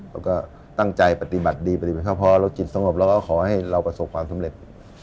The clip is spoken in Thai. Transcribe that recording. แล้วก็ตั้งใจปฏิบัติดีปฏิบัติเข้าพอเราจิตสงบเราก็ขอให้เราประสบความสำเร็จ